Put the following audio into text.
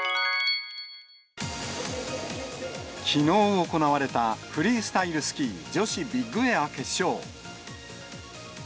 きのう行われたフリースタイルスキー女子ビッグエア決勝。